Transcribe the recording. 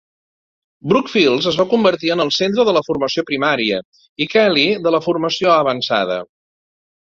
Brooks Field es va convertir en el centre de la formació primària i Kelly de la formació avançada.